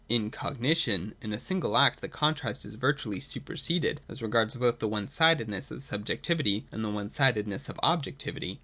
In Cognition in a single act the contrast is virtually superseded, as regards both the one sidedness of sub jectivity and the one sidedness of objectivity.